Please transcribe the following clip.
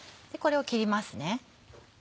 これを切りますね。